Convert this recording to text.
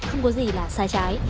không có gì là sai trái